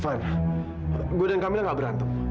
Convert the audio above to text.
fad gue dan kamila enggak berantem